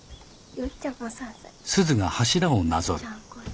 よっちゃん５歳。